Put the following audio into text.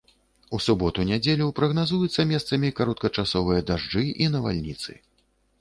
У суботу-нядзелю прагназуюцца месцамі кароткачасовыя дажджы і навальніцы.